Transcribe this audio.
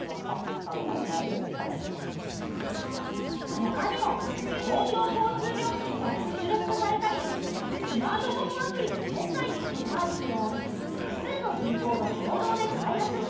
ほかにも公共交通料金がキャッシュレス化されたりスマートフォンアプリで決済できるサービスを複数の銀行が共同で開発したり。